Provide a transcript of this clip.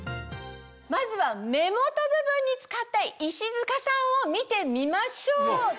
まずは目元部分に使った石塚さんを見てみましょう。